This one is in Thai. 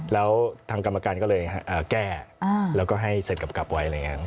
แล้วทางกรรมการก็เลยแก้แล้วก็ให้เสร็จกลับไว้อะไรอย่างนี้